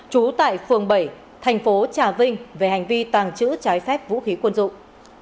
trú tại phường bảy thành phố trà vinh về hành vi tàng trữ trái phép vũ khí quân dụng